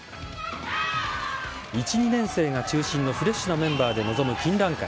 １２年生が中心のフレッシュなメンバーで臨む金蘭会。